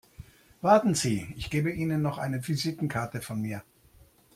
Warten Sie, ich gebe Ihnen noch eine Visitenkarte von mir.